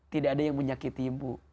tidak ada yang menyakiti ibu